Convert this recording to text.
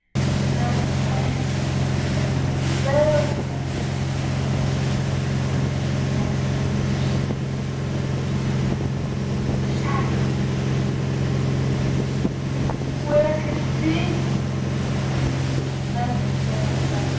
And, as his strength Failed him at length, He met a pilgrim shadow "Shadow," said he, "Where can it be This land of Eldorado?"